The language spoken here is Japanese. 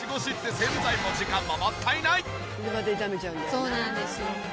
そうなんですよ。